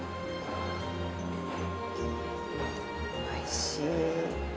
おいしい。